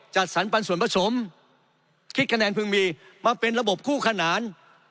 จัดสรรปันส่วนผสมคิดคะแนนพึงมีมาเป็นระบบคู่ขนาน